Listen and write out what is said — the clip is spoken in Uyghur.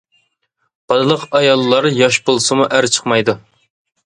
بالىلىق ئاياللار ياش بولسىمۇ، ئەر چىقمايدۇ.